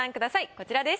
こちらです。